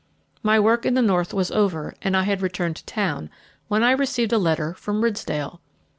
My work in the north was over, and I had returned to town, when I received a letter from Ridsdale.